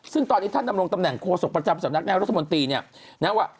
ซึ่งตอนนี้ท่านนำลงตำแหน่งโครสกประจำจากนักแนวรัฐมนตรีเนี่ยนั้นว่า